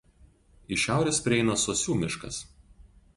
Iš šiaurės prieina Sosių miškas.